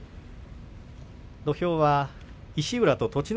土俵は石浦と栃ノ